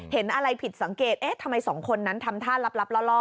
เห็นอะไรผิดสังเกตเอ๊ะทำไมสองคนนั้นทำท่าลับล่อ